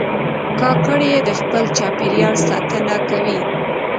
کاکړي د خپل چاپېریال ساتنه کوي.